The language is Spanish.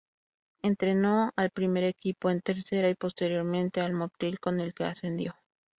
Entrenó al primer equipo en Tercera y posteriormente al Motril, con el que ascendió.